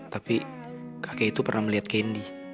tapi kakek itu pernah melihat kendi